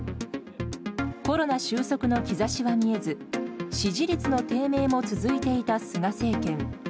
コロナ収束の兆しは見えず、支持率の低迷も続いていた菅政権。